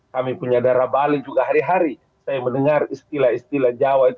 kami punya darah bali juga hari hari saya mendengar istilah istilah jawa itu